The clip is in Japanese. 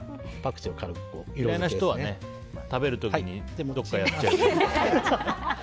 嫌いな人は食べる時にどこかにやっちゃえば。